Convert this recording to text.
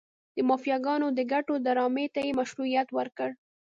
د مافیاګانو د ګټو ډرامې ته یې مشروعیت ورکړ.